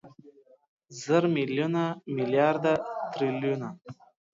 زره، ميليونه، ميليارده، تريليونه